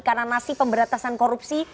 karena nasi pemberatasan korupsi